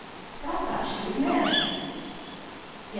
But I thought she was married!" "Yes!"